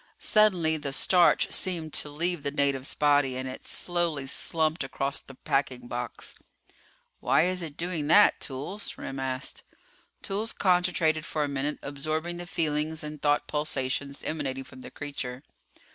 Suddenly the starch seemed to leave the native's body and it slowly slumped across the packing box. "Why is it doing that, Toolls?" Remm asked. Toolls concentrated for a minute, absorbing the feelings and thought pulsations emanating from the creature.